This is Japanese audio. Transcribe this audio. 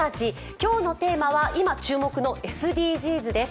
今日のテーマは今注目のＳＤＧｓです。